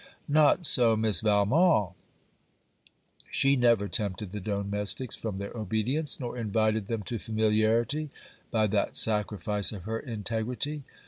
Not so Miss Valmont. She never tempted the domestics from their obedience, nor invited them to familiarity, by that sacrifice of her integrity.